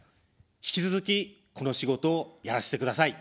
引き続き、この仕事をやらせてください。